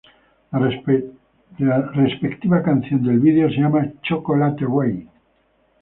La respectiva canción del vídeo se llama "Chocolate Rain".